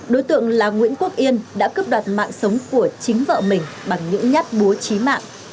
đối tượng là nguyễn quốc yên đã cướp đoạt mạng sống của chính vợ mình bằng những nhát búa trí mạng